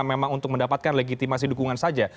karena memang untuk mendapatkan legitimasi dukungan saja